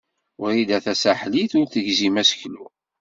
Wrida Tasaḥlit ur tegzim aseklu.